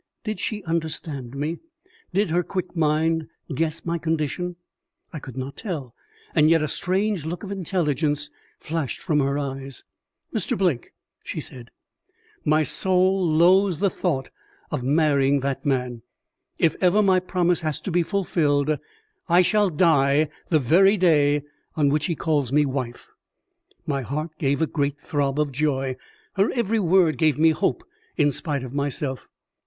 Did she understand me? Did her quick mind guess my condition? I could not tell, and yet a strange look of intelligence flashed from her eyes. "Mr. Blake," she said, "my soul loathes the thought of marrying that man. If ever my promise has to be fulfilled, I shall die the very day on which he calls me wife." My heart gave a great throb of joy; her every word gave me hope in spite of myself.